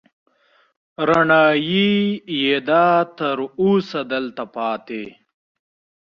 رڼايي يې ده، تر اوسه دلته پاتې